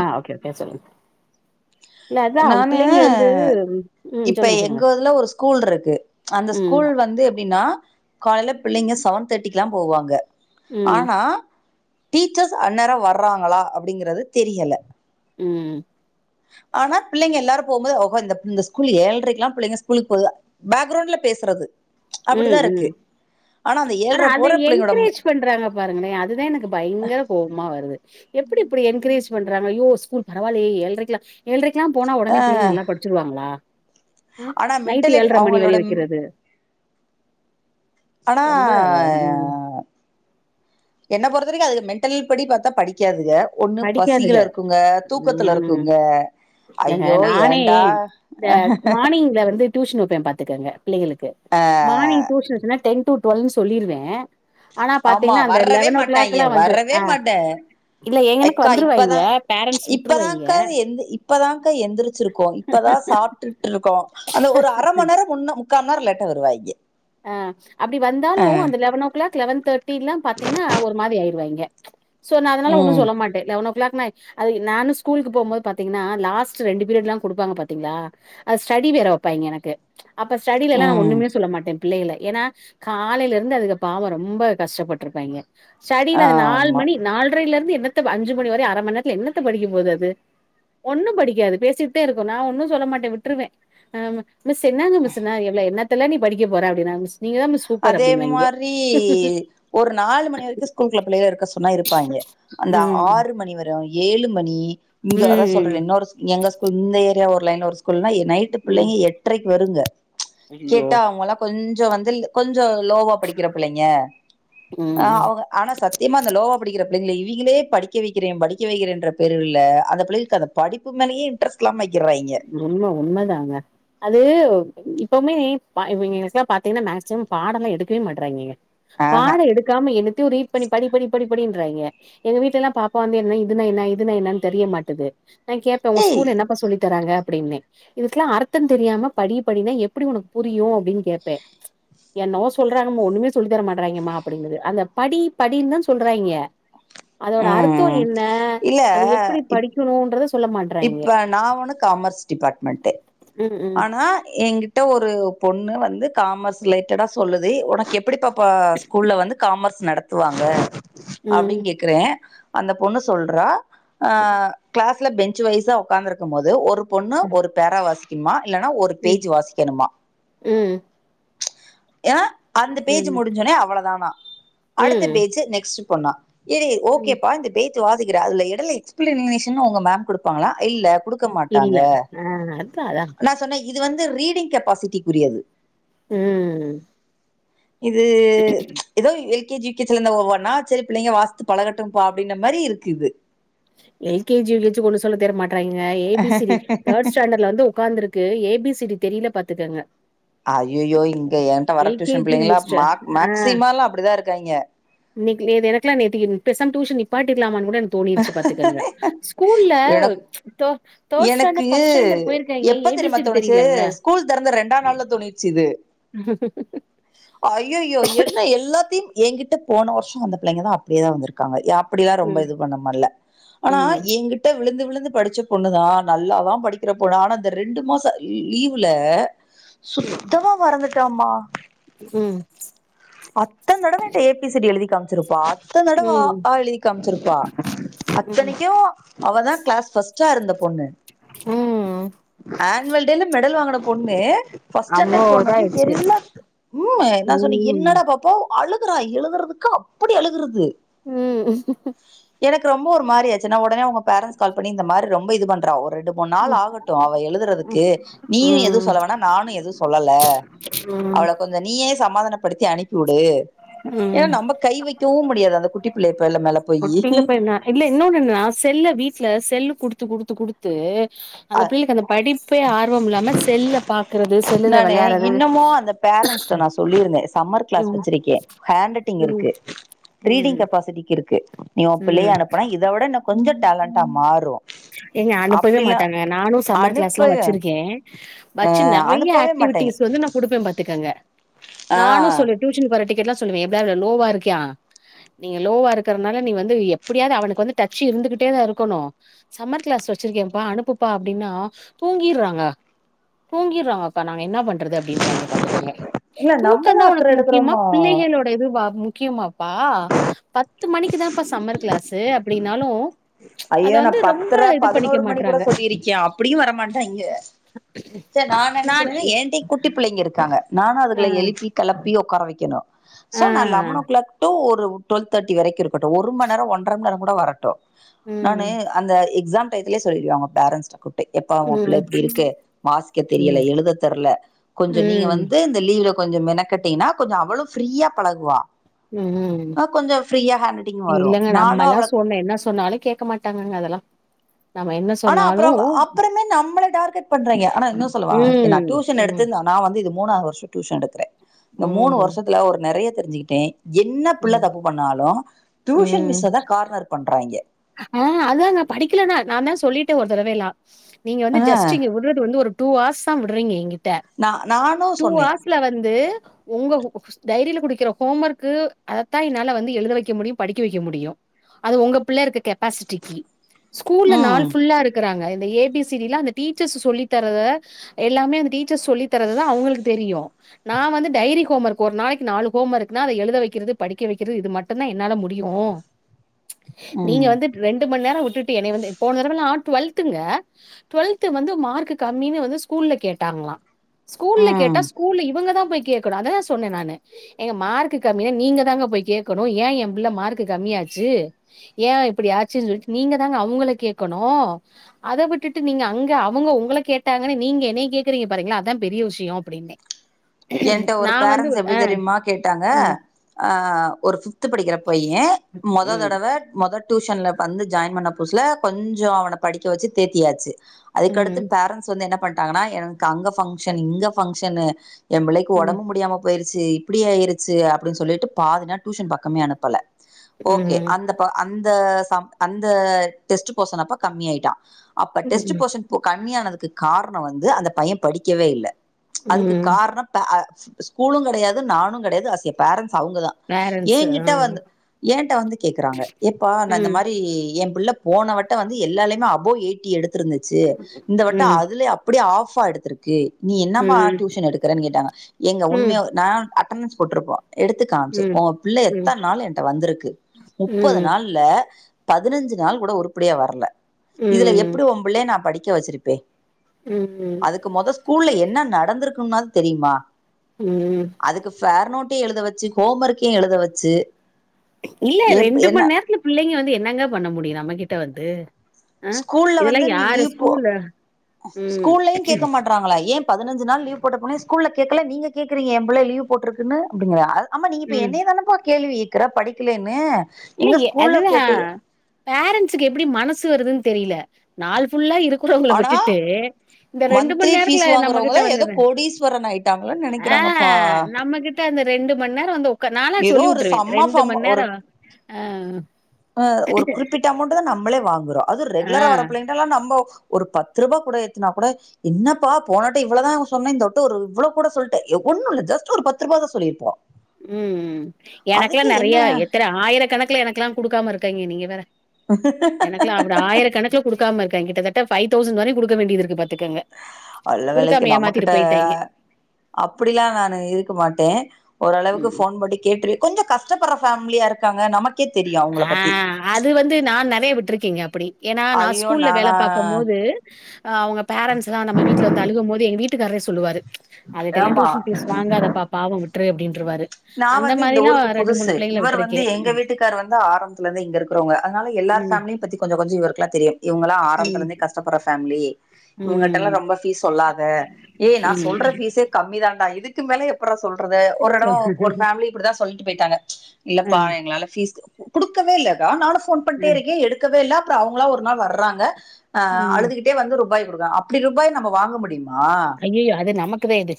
ஆ okay okay சொல்லுங்க இல்ல அதா நானு பிள்ளைங்க வந்து ம் இப்ப சொல்லுங்க எங்க சொல்லுங்க ஊதுல ஒரு ஸ்கூல் இருக்கு அந்த ம் ஸ்கூல் வந்து எப் டினா காலைல பிள்ளைங்க செவன் தேர்டிகெல்லா போவாங்க ம் ஆனா டீச்சர்ஸ் அன்நேர வறாங்களா அப்படிங்கிறது தெரியல உம் ஆனா பிள்ளைங்க எல்லாரு போம்போது ஓ ஒ இந்த ஸ்கூல் எழுரைக்கு எல்லா பிள்ளைங்க ஸ்கூல் போதா பாக்க்ரவுண்ட்ல பே சறது அப்படிதா ம் இருக்கு ம் ஆனா அந்த ஏ ஆனா அத என்கரேஜ் பண்றாங்க பாருங்களே அதுதா எனக்கு பயங்கர கோபமா வருது எப்படி இப்படி என கேரேஜ் பண்றாங்க ஐயோ ஸ்கூல் பரவாயில்லையே ஏரைக்கலா ஏழரைக்கெல்லா போன ஆ உடனே பிள்ளைங்க நல்லா படிச்சிருவாங்களா ஆ ஆனா நைட்டு மென்டலிட் ஏழர மணி வரை அவங்களோட வைக்கிறது ஆனா ம் என்ன பொறுத்தரைக்கு அது மென்டல் படி பார்த்தா படிக்காதுங்க ஒண்ணு பசிகள படிக்காதுக இருக்குங்க தூக்கத்துல ம் இருக்குங்க இல்லங்க ஐயோ நானே ஏன்டா இந்த மார்னிங்ல வந்து டியூஷன் வப்பேன் பாத்துக்கங்க பிள்ளைகளுக்கு ஆ மானி் டியூஷன் வச்சுன்னா டென் டு டுவெல்ன்னு சொல்லிருவே ஆனா ஆமா பாத்தீங்கன்னா அந்த வர்ரவே லெவன் ஓ மாட்டாங்க கிளாக்லா வந்து வரவே ஆ மாட்டே இல்ல எங்கனுக்கு எக்கா இப்பதா வந்துருவாய்ங்க பேரண்ட்ஸ் விட்டுருவாய்ங்க இப்பதாக்கா எந்த இப்பதாக்க எந்திரிச்சிருக்கோ இப்பதா சாப் ட்டு இருக்கோ அந்த ஒரு அர ம நேர முன்ன முக்காம நேர லேட்டா வருவா இங்க ஆ அப்படி வந்தாலு அந்த eleven o'clock eleven thirty எல்லா பாத்தீங்கன்னா ஒரு மாரி ஆயிரிருவாயங்க சோ நா அதனால ஒன்னு ம் சொல்ல மாட்டே லெவன் கிளாக் நா ஸ்கூலுக்கு போபோது பாத்தீங்கன்னா லாஸ்ட் ரெண்டு பீரிய்ல்லா கொடுப்பாங்க பாத்தீங்களா ஸ்டடி வேற வைப்பாங்க எனக்கு அப்ப ஸ்டிலல்லா நா ம் ஒண்ணுமே சொல்ல மாட்டே பிள்ளைகல ஏன்னா காலையில இருந்து அதுக்கு பாவ ரொம்ப கஷ்டப்பட்டுருப்பாங்க ஸ்டடியில நாலு ஆமா மணி நாலரைல இருந்து எ என்த்த அஞ்சு மணிவர அர ம நேரத்துல எண்ணத்த படிக்க போது அது ஒண்ணு படிக்காது பேசிக்கிட்டே இருக்கு நா ஒன்னு சொல்ல மாட்டே விட்டுருவே ஆ மிஸ் என்ன இங்க மிஸ்ன ஏல என்னத்தல்ல நீ படிக்க போற அப்படின்னா மிஸ் நீங்க தா மிஸ் சூப்பர் அதே அப்டின்வாய்ங்க மாரி ஒரு நாலு மணி வரைக்கு ஸ்கூல் குள்ள பிள்ளைல இருக்க சொன்னா இருப்பாங்க அந்த ம் ஆறு மணி வர ஏழு மணி இங்கா அதா ம் சொல்றே இன்னொ எங்க ஸ்கூல் இந்த ஏரியா ஒரு லைன்ல ஒரு ஸ்கூல நா நைட்டு ம் பிள்ளைங்க எட்டரைக்கு வருங்க ஐயோ கேட்டா அவங்களா கொஞ்ஜோ வந்து து லோவா படிக்கிற பிள்ளைங்க ம் ம் அவங்க ஆனா சத்தியமா அந்த லோவா படிக்கிற பிள்ளைங்கள இவிங்களே படிக்க வைக்கிறே படிக்க வைக்கிறேன்ற பேர்வழ்ல அந்த பிள்ளைகளுக்கு அந்த படிப்பு மேலயே இன்ட்ரஸ்ட் இல்லாம ஆக் உண்ம உண்மதாங்க அது இப்பவுமே ப இவிங்களுக்கெல்லா பாத்திங்னா மேக்சிமம் பாடெல்லா எடுக்கவே மாட்றாங்கங்க ஆஹ பாட எடுக்காம எனத்தையோ ரீட் பண்ணி படி படி படி படின் றாய்ங்க எங்க வீட்லல்லா பாப்பா வந்து என்ன இதுனா என்ன இதுனா என்னனு தெரிய மாட்டது நா கேப்ப உ ஏய் ஸ்கூல என்னப்பா சொல்லி தராங்க அப்டிம்பே இதுக்கெலா அர்த்த தெரியாம படி படினா எப்பிடி உனக்கு புரியு அப்டினு கேப்பே என்னவோ சொல்றாங்க ஒண்ணுமே சொல்லி தர மாட்றாய்ங்கம்மா அப்டிங்குது அந்த படி படினு தா சொல்றாய்ங்க அதோட அர்த்த ம் என்ன இல்ல அத எப்பிடி இப் படிக்கணுன்றத சொ இப்ப நா ஒண்ணு காமர்ஸ் டிபார்ட்மென்ட்டு ம் ம் ஆனா எ ங்கிட்ட ஒரு பொண்ணு வந்து காமஸ் ரிலேட்டடா சொல்லுது உனக்கு எப் பிடி பாப்பா ஸ்கூல்ல வந்து காமர்ஸ் நடத்துவாங்க ம் அப்படின் கேக்குறே அந்த பொண்ணு சொல்றா ஆ கிளாஸ்ல பெஞ்சு வைஸா உக்காந்துருக்கும் போது ஒரு பொண்ணு ஒரு பேரா வாசிக்குமா இல்லனா ஒரு ம் பேஜ் வாசிக்கணுமா ம் ஏனா அந்த பேஜ் ம் முடிஞ்சொனே அவ்வளதானா அடுத்த ம் பேஜ் நெக்ஸ்ட் பொண்ணா இரு ம் ஓகேப்பா இந்த பேஜ் வாசிக்கிற அதுல எடைல எக்ஸ்பிளனேஷனு உங்க மேம் குடுப்பாங்ளா இல்ல குடுக்க மாட்டாங்க குடுத்தாதா நா சொன்னே இது வந்து ரீடிங் கெபாசிட்டிக்குரியது ம் இது எதோ L K G U K G ல இந்த ஒவ்வொண்ணா சரி பிள்ளைங்க வாசிச்சு பழகட்டும்ப்பா அப்படின்ன மாரி இருக்கு இது L K G U K G ஒண்ணு சொல்ல தெர மாட் றாங்க ஏ பி சி டி இது தேர்ட் ஸ்டாண்டர்ல வந்து உக்காந்துருக்கு ஏ பி சி டி தெரில பாத்துக்கங்க ஐயயோ இங்க என்ட்ட வர எல் கே டியூஷன் ஜி பிள்ளைங்களா முடிச்சுட்டு மேக் ஆ மேக்சிமலா அப்பிடிதா இருக்காங்க இன்னைக்கு லீவ் எனக்கெலா நேத்திக்கு பேசாம டியூஷன் நிப்பாட்டிர்லாமான் கூட எனக்கு தோணிருச்சு பாத்துக்கங்க ஸ்கூல் மேட எனக்கு ஸ்டாண்டர்ட் ஃபர்ஸ்ட் ஸ்டாண்டர்ட் போயிருக்காய்ங்க எப்ப ஏ பி தெரியுமா சி டி தோணுச்சு தெரியலங்க. ஸ்கூல் தெறந்தற ரெண்டா நாள்ல தோணிருச்சு இது ஐயயோ என்ன எல்லாத்தையும் எங்கி ட்ட போன வருஷ வந்த பிள்ளைங்க தா அப்டியேதா வந்ருக்காங்க அப்படிலா ரொம்ப ம் இது பண்ண மடில ஆனா ம் எங்கிட் ட விழுந்து விழுந்து படிச்ச பொண்ணுதா நல்லாதா படிக்கற பொண்ணு ஆனா இந்த ரெண்டு மாச லீவுல ம் சுத்தமா மறந்துட்டாமா ம் அத்தன தடவ என்ட்ட ஏ பி சி டி எழுதி காமிச்சிருப்பா அத்தன தடவ அ ம் ஆ எழுதி காமிச்ருப்பா ம் அத்தனைக்கு அவதா கிளாஸ் ஃபர்ஸ்டா இருந்த பொண்ணு ம் ஆனுவல் டேல மெடல் வாங்ன பொண்ணு ஃபஸ்ட் அவ்ளோ ஸ்டாண்டடு போனது இதாயிடுச்சு. எல்லா உ என்ன சொன்னிங்க ம் என்னடா பாப்பு அழுகுறா எழுதுறதுக்கு அப்புடி அழுகறது ம் எனக்கு ரொம்ப ஒரு மாரி ஆச்சு நா உடனே அவங்க பேரன்ஸ் கால் பண்ணி இந்த மார் ரொம்ப இது பண்றா ஒரு ரெண்டு மூணு நாள் ம் ஆகட்டு அவ எழுதுறதுக்கு நீயு எதுவு ம் சொல்ல வேனா நானு எதுவு சொல்லல ம் அவள கொஞ்ச நீயே சமாதானப்படுத்தி அனுப்பி உடு ம் ஏனா நம்ம கை வெக்கவு முடியாது அந்த குட்டி பிள்ளைய ஒட்டிங்ல போயினா இல்ல இன்னோனு என்னனா செல்ல வீட்ல செல்லு குடுத்து குடுத்து குடுத்து அந்த அ பிள்ளைக்கு அந்த படிப்பே ஆர்வமில்லாம செல்ல பாக்கறது செல்லுல வெளையாடறது பேரன்ஸ்ட நா சொல்லிருந்தே சம்மர் கிளாஸ் வச்சிருக்கே ஹேண்ட் ரைட்டிங் ம் இருக்கு ரீடிங் ம் கெபாசிட்டிக்கு இருக்கு நீ உ பிள்ளைய ம் அனுப்புனா இத விட இன்னொ கொஞ்ச டேலண்ட்டா மாறு ஏங்க அனுப்பவே அப்டிலா மாட்டாங்க நானும் சம்மர் கிளாஸ்லா அனுப்ப வச்சிருக்கே வச்சு நறைய அனுப்பவே மாட்டேங்க ஆக்டிவிட்டிஸ் வந்து நா குடுப்பே பாத்துக்கங்க ஆ நானு சொல்வ டியூஷன்கு வர டிக்கட் எல்லா சொல்லுவே எதுலயாது லோவா இருக்கியா நீங்க லோவா இருக்கறனால நீ வந்து எப்பிடியாது அவனுக்கு வந்து டச் இருந்துகிட்டே தா இருக்கணு சம்மர் க்ளாஸ் வெச்சிருக்கேப்பா அனுப்புப்பா அப்டீன்னா தூங்கீற்றாங்க தூங்கீறாங்கப்பா நாங்க என்ன பண் றது அப்டீன்றாங்க பாத்துக்குங்க இல்ல நம்மதா தூக்கோதா அக்கற உனக்கு முக்கியமா எடுக்கறோமா பிள்ளைங்களோட இதுவா முக்கியமா ப்பா பத்து மணிக்குதான்ப்பா சம்மர் கிளாஸு அப்டீனாலோ ஐயோ நா பத்தர பதனோரு மணி கூட மாட்றாங்க சொல்லிருக்க அப்புடியு வரமாட்டாய்ங்க சரி நா என்ன நான் சொன்னேன்ன இ ஏன்டயோ குட்டி பிள்ளைங்க இருக்காங் க நானோ ஆ அதுகள எழுப்பி கெளப்பி ஒக்கார வெக்கணோ சோ ஆ நா லெவனோ க்ளாக் டூ ஒரு ட்டுவல் தர்ட்டி வரைக்கு இருக்கட்டோ ஒரு மண்ரோ ஒன்றர மண்ரோ கூட வரட்டோ நானு ம் அந்த எக்ஸாம் டையத்தலயே சொல்லிடுவ அவுங்க பேரன்ட்ஸ்ட்ட கூப் ட்டு எப்பா உ பிள்ள ம் இப்டி இருக்கு மாசிக்க தெரியல ம் எழுத தெர்ல கொஞ்சோ நீங்க ம் வந்து இந்த லீவ்ல கொஞ்சோ மெனக்கட்டீங்கனா கொஞ்சோ அவளோ ஃப்ரீயா பழகுவா ம் ம் ஆ கொஞ்சோ ஃப்ரீயா ஹேண்ட் ரைட்டிங் வரு இல்லங்க நானு நம்மலா அவள சொன்னே என்ன சொன்னாலோ கேட் க மாட்டாங்கங்க அதலா ஆனா அப்புறோ அப்புறன்னா நம்மள டார்கெட் பண்றாய்ங்க ஆனா இன்னோ சொல்லவா நா ம் ட்யூஷன் ம் எடுத்துந்தா நா வந்து இது மூணாவது வர்ஷோ ட்யூஷன் எடுக்குற இந்த மூணு ம் வருஷத்துல ஒரு நறைய தெரிஞ்சிக்கிட்டே என்ன பிள்ள ம் தப்பு பண்ணாலோ ட்யூஷன் ம் மிஸ்ஸதா கார்னர் பண்றாய்ங்க ஆ அதா நா படிக்கலனா நா தா சொல்லிட்டே ஒரு தடவேயெல்லா நீங்க வந்து ஆ ஜஸ்டு இங்க விடுறது வந்து ஒரு டூ ஹார்ஸ்தா விடுறீங்கீங்க ட்ட நா நானு டூ சொன்னே ஆர்ஸ்ல வந்து உங்க உ உ டைரில குடுக்கிற ஹோம் ஒர்க்கு அத்தா என்னால வந்து எழுத வைக்க முடியு படிக்க வைக்க முடியு அது உங்க பிள்ள இருக்க கெப்பாசிட்டிக்கு ஸ்கூல்ல நாள் ம் ஃபுல்லா இருக்குறாங்க ஏ பி சி டீ லா அந்த டீச்சர்ஸ் சொல்லித்தர்த எல்லாமே அந்த டீச்சர்ஸ் சொல்லிதரதுதா அவுங்குளுக்கு தெரியோ நா வந்து டைரி ஹோம் ஒர்க் ஒரு நாளைக்கு நாலு ஹோம் ஒர்க்னா எழுத வைக்கிறது படிக்க வைக்கிறது இது மட்டுந்தா என்னால முடியு ஓ நீங்க ம் வந்து ரெண்டு மண் நேரோ வுட்டுட்டு என்னய வந்து போனதரவலா நா ட்வல்துங்க ட்வல்த்து வந்து மார்க்கு கம்மினு வந்து ஸ்கூல்ல கேட் டாங்களா ஸ்கூல்ல ம் கேட்டா ஸ்கூல்ல இவுங்கதா போய் கேக்கணோ அதா சொன்னே நானு ஏங்க மார்க்கு கம்மினு நீங்க தாங்க போய் கேக்கணோ ஏ எ பிள்ள மார்க்கு கம்மியா ஆச் சி ஏ இப்புடி ஆச்சுனு சொல்ட்டு நீங்க தாங்க அவுங்கள கேக்கணோ அத விட்டுட்டு நீங்க அங்க அவுங்க உங்கள அத கேட்டாங்கனு நீங்க என்னய கேக்குறீங்க பாருங்களா அதா பெரிய விஷயோ அப்டீனு ஏன்ட்ட ஒரு பேரன்ட்ஸு எப்டி தெரியுமா கேட்டாங்க ம், அ ஒரு ஃப்ஃப்து படிக்கிற பைய மொத ம், தடவ மொத டூஷன்ல வந்து ஜாயின் பண்ண புதுசுல கொஞ்சோ அவன படிக்க வச்சு தேத்தியாச்சு அதுக்கடுத்து ம், பேரண்ட்ஸ் வந்து என்ன பண்ட்டாங்கன்னா எனக்கு அங்க ஃபங்க்ஷன் இங்க ஃபங்க்ஷனு எ பிள்ளைக்கு ம், ஒடம்பு முடியாம போயிடுச்சு இப்புடி ஆயிருச்சு அப்புடினு சொல்லிட்டு பாதி நாள் டியூஷன் பக்கமே அனுப்பல ஓகே ம், அந்த ப அந்த சம் அந்த டெஸ்ட்டு போசனப்ப கம்மியாயிட்டா அப்ப டெஸ்ட் ம், போர்ஷன் போ கம்மியானதுக்கு காரணோ வந்து அந்த பைய படிக்கவே இல்ல அதுக்கு ம். காரணோ பே அ ஸ்கூலு கெடையாது நானு கெடையாது ஆஸ்ய பேரன்ட் அவுங்கதா பேரண்ட்ஸ் ஆ. ஏங்கிட்ட வந்து ஏன்ட்ட வந்து கேக்குறாங்க ஏப்பா நா இந்த ம், மாரி ஏ பிள்ள போனவட்டோ வந்து எல்லாலுமே அபோவ் எயிட்டி எடுத்துருந்துச்சு இந்தவட்டோ ம், அதுல அப்புடியே ஆஃப் ஃபா எடுத்திருக்கு நீ என்னப்பா ம், ட்யூஷன் எடுக்குறனு கேட்டாங்க எங்க ம், உண்மையா நானு அ ட்டனஸ்ஸு போட்டுருப்பா எடுத்து காம்ச்ச ம், உங்க பிள்ள ம், எத்தன நாள் என்ட்டு வந்திருக்கு முப்பது ம். நாள்ல பதினஞ்சு நாள் கூட உருப்புடியா வரல இதுல ம் எப்புடி உம் பிள்ளய நா படிக்க வெச்சிருப்பே ம் ஸ்கூல்ல என்ன நடந்திருக்குனாவுது தெரியுமா ம் அதுக்கு ஃபேர் நோட் டு எழுத வெச்சு ஹோம் ஒர்க்கையு எழுத வெச்சு இல்ல ரெண்டு மணி நேரத்துல பிள்ளைங்க வந்து என்னங்க பண்ண முடியு நம்மகிட்ட வந்து ஆ ஸ்கூல்ல இதெல்லா வந்து யாரு லீவ் போ ஸ்கூல்ல ம் ஸ்கூல்லயு கேட்க மாட்டறாங்களா ஏ பதினஞ்சி நாள் லீ்வ் போட்டப்பலே ஸ்கூல்ல கேக்ல நீங்க கேக்றீங்க ஏ புள்ள லீவ் போட்ருக்குன்னு அப்டிங்கிற அது ஆமா நீங்க இப்ப ம் என்னய தானப்பா கேள்வி கேக்குற படிக்கிலேன்னு இல்ல அதுதா பேரன்ஸுக்கு எப்டி மனசு வருதுன்னு தெரியல நாலு ஃபுல்லா இருக்குறோவங்கள ஆனா விட்டுட்டு இந்த ரெண்டு மணி மந்த்லி ஃபீஸ் நேரத்துல நம்மகிட்ட வந்துற த நெனக்கிறாங்கப்பா ரெண்டு மண் நேர வந்து உக்காரு நானா சொல்லி உட்ருவே சம் ரெண்டு மண் நேர ஆ ஒரு குறிப்பிட்ட அமௌண்ட்தா நம்மளே வாங்குறோ அது ஆ ரெகுலரா வர பிள்ளைங்கட்டல்லா நம்மோ ஒரு பத்து ரூபா கூட ஏத்துனா கூட என்னப்பா போனட்ட இவ்வளதா சொன்னே இந்த வட்ட ஒரு இவ்வளோ கூட சொல்ட்ட எவ் ஒண்ணு இல்ல ஜஸ்ட் ஒரு பத்து ருபாதா சொல்லிருப்போ ம் ம் எனக்குலா அதுக்கே நெறையா என்ன எத்தன ஆயிரக்கணக்குல எனக்கெலா குடுக்காம இருக்காங்க நீங்க வேற எனக்கெலா அப்டி ஆயிரக்கணக்குல குடுக்காம இருக்காங்க கிட்டத்தட்ட ஃபைவ் தௌசண்ட் வர குடுக்க வேண்டியது இருக்கு பாத் அல்ல வேலைக்கு நம்மகிட்ட போயிட்டாய்ங்க அப்படிலா நானு இருக் க மாட்டே ஓரளவுக்கு ம் ஃபோன் பண்ணி கேட்டு கொஞ்ச கஷ்டப்படுற ஃபேமிலியா இருக்காங் நமக்கே தெரியு ஆ அது வந்து நான் நெறைய விட்ருக்கேங்க அப்படி ஏனா நா ஐயோ ஸ்கூல்ல வேல நானா பாக்கம் போது அவுங்க பேரண்ட்ஸ்லா நம்ம வீட்ல வந்து அழுகும் போது எங்க வீட்டுக்காரரே சொல்லுவாரு அதுக்கெல்லா ஆமா டியூஷன் ஃபீஸ் வாங்காதப்பா பாவ விட்ரு அப்டின்ட்ருவாரு நா வந்து இந்த ஊருக்கு புதுசு இவர் வந்து விட்ருக்கே எங்க வீட்டுக்கார் வந்து ஆம்பத்துல இருந்து இங்க இருக்கிறவங்க அதனால எல்லார் ம் ஃபேமிலிய பத்தியு கொஞ்ச கொஞ்ச இவர்க்கெல்லா தெரியு இவுங்களா ஆரம்பத்துல ம் இருந்தே கஷ்டப்படுற ஃபேமிலி இவங்ககிட்ட எல்லா ம் ம் ரொம்ப ஃபீஸ் சொல்லாத ஏய் நா சொல்ற ம் ஃபீஸே கம்மி தான்டா இதுக் கு மேல எப்பறா சொல்றது ஒரு தடவ சொல்லு ஒரு ஃபேமிலி இப்டிதா சொல்லிட்டு போய்ட்டாங்க ஆ இல்லப்பா எங்களால ஃபீஸ் குடுக்கவே இல்லக்கா நானு ஃபோன் பண்ட்டே ஆ இருக்க எடுக்கவே இல்ல அப்பற அவங்களா ஒரு நாள் வர்றாங்க ம் அழுதுகிட்டே வந்து ருபாய் குடுக்காங்க அப்டி ருபாய் நம்ம வாங்க முடியுமா ஐயயோ அது நமக்குதா இது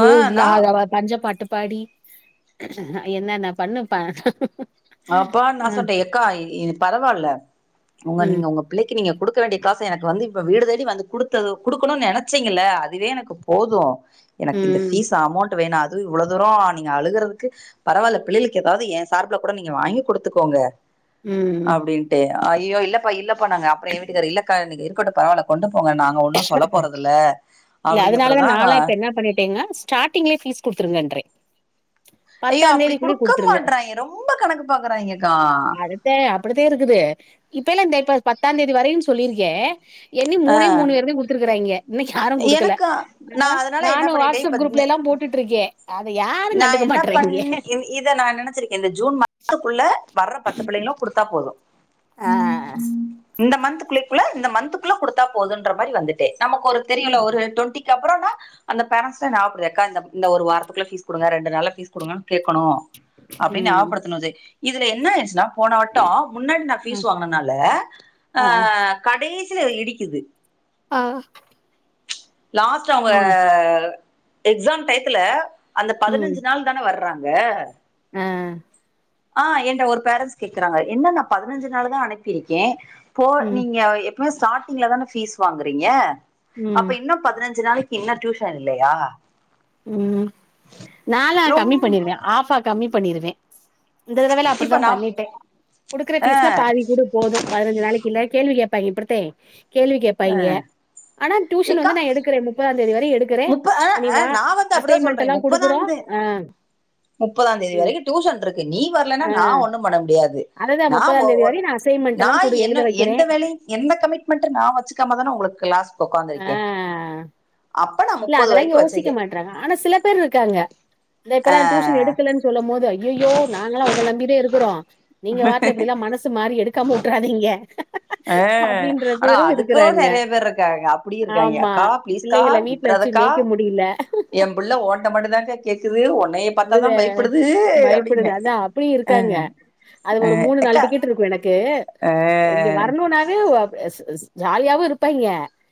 ஆ நா இல்லாத பஞ்ச பாட்டு பாடி என்னென்ன பண்ணுப்ப அப்பான் நா சொல்ட்ட எக்கா பரவால்ல உங்க ம் நீங்க உங்க பிள்ளைக்கி நீங்க குடுக்க வேண்டிய காசு எனக்கு வந்து இப்ப வீடு தேடி வந்து குடுத்தது குடுக்கணுன்னு நெனச்சீங்கள அதுவே எனக்கு போதும் எனக்கு இந்த ம் ஃபீஸ் அமௌண்ட்டு வேணா அத் து இவ்ளோ தூரோ நீங்க அழுகுறதுக்கு பரவால்ல பிள்ளைளுக்கு ஏதாவது என் சார்புல கூட நீங்க வாங்கி குடுத்துக்கோங்க ம் அய்யோ இல்லப்பா இல்லப்பா நாங்க அப்றோ என் வீட்டுக்காரு இல்லக்காங்க நீங்க இருக்கட்டும் பரவால்ல கொண்டும் இல்ல அப்டின்ன அதுனாலதா நா பிறகுதா லா இப்ப என்னா பண்ணிட்டீங்க ஸ்டார்டிங்லே ஃபீஸ் குட் துருங்கன்றே ஐயோ பத்தாங் அப்டி தேதிக்குள்ளே குடுக்க குடுத்துருங்க மாட்றாய்ங்க ரொம்ப கணக்கு பாக்குறாய்ங்கக்கா அதுத்தே அப்புடித்தே இருக்குது டே இப்ப எல்லா இந்த இப்ப பத்தாந் தேதி வரையும் சொல்லிருக்கே என்னி ஆ மூணே மூணு பேருதயும் குடுத்துருக்குறாயிங்க இன்னைக்கு யாரும் குடுக்கல எனக்கு ந நா அதனால என்ன நானும் பண்ணிட்டே வாட்ஸ்அப் இப்ப குரூப்ல எல்லாம் போட்டுட்ருக்கே அத யாரு நா கண்டுக்க என்ன பண் மாட்றாய்ங்க இன் இத நான் நெனைச்சிருக்கேன் இந்த ஜூன் மாசத்துக்குள்ள வர்ற பத்து பிள்ளைகளும் குடுத்தா போதும் ஆ இந்த மந்து குள்ளே குள்ள இந்த மந்து குள்ள குடுத்தா போதுன்ற மாரி வந்துடே நமக்கு ஒரு தெரியுல்ல ஒரு டொண்டிக்கப் அப்புறோன்னா அந்த பேரண்ட்ஸ்ட ஞாப்படுது எக்கா இந்தப் இந்த ஒரு வாரத்துக்குள்ள ஃபீஸ் குடுங்க ரெண்டு நாள்ல ஃபீஸ் குடுங்க கேக்கணும் அப்டின்னு ம் ஞாப்படுத்தணும் ஜெய் இதுல என்ன ஆயிட்ச்சுன்னா போனவட்டோம் முன்னாடி நான் ம் ஃபீஸ் வாங்குனனால அ ஆ கடை சில இடிக்கிது ஆ லாஸ்ட் அவங்க ம் எக்ஸா டையத்துல அந்த ம் பதினஞ்சு நாள் தான வர்றாங்க க ஆ ஆ எண்ட ஒரு பேரன்ஸ் கேக்குறாங்க என்னன்னா பதினஞ்சு நாள் தா அனுப்பியிருக்கே போ ம் நீங்க எப்பமே ஸ்டார்ட்டிங்ல தான ப்பீஸ் வாங்குறீங்க ம் அப்ப இன்னு பதினஞ்சு நாளைக்கு இன்னு டியூஷன் இல்லையா உம் நாலா ரொம் கம்மி பண்ணிருவே ஆபா கம்மி பண்ணிருவே இந்த தடவல்ல இப்ப அப்படிதா நா பண்ணிட்டே குடுக்குற அ பீஸ்ல பாதி கூட போது பதினஞ்சு நாளைக்கு இல் கேள்வி கே பங்கிப்பறத்தே கேள்வி கேட்பா இங்க ஆனா டியூஷன் ஏக்கா வந்து நா எடுக்கறே முப்பதாம் தேதி வர எடுக்கறே முப்ப அ உ நீ அ வா நா அசைன்மெண்ட் எல்லா கொடுக்குறோ ஆ முப்பதாம் தேதி வரைக்கும் டியூசன் இருக்கு நீ வரலன்னா அ நா ஒண்ணு பண்ண முடியா அதுதான் நா தேதி வரை நான் அசைன்மென்ட் நா எல்லாம் குடு என்ன எழுத எந்த வைக்கிறேன். வேலையு என்ன கமிட்மெண்ட் நா வ வச்சக்காம தான உங்களுக்கு கலாஸ் ஆ உக்காந்துருக்கே அப்ப நா இல்ல முப்பது அதெல்லா வரைக்கு யோசிக்க வச்சிருக்கே மாட்டறாங்க ஆனா சில பேர் இருக்காங்க இந்த இப்பல்லா டியூஷன் எடுக்கலன்னு சொல்லு போது அய்யயோ நாங்கல்லா உங்கள நம்பிதா இருக்கிறோ அ நீங்க வாட்டுல எப்படி எல்லா மனசு மாறி எடுக்காம விடறாதீங்க அ ஆனா அதுக்கு நிறைய பேர் இருக்காங்க அப்படி இருக்காங்க ஆமா. அக்கா பிளீஸ்கா பிள்ளைகள விட்டு வீட்ல தா வச்சு அக்கா மேய்க்க முடியல. எ பிள்ள ஓண்ட மட்டு தா கா கே உன்னைய பார்த்தா அது தா பயப்படுது பயப்படுது அப்படிங்கிறேன் அதா அப்டியு க் க க்கட்டு இருக்கு எனக்கு இங்க வரணும்னாவே ஜாலியாவு இருப்பாங்க